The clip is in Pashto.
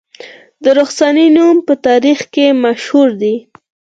د رخسانې نوم په تاریخ کې مشهور دی